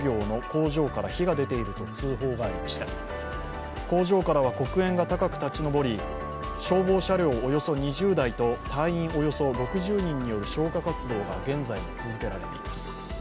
工場から黒煙が高く立ち上り消防車両およそ２０台と隊員およそ６０人による消火活動が現在も続けられています。